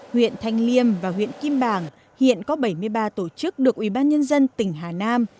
huyện thanh liêm và huyện kim bảng hiện có bảy mươi ba tổ chức được ubnd tỉnh hà nam